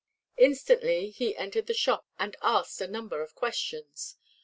Instantly he entered the shop, and asked a number of questions.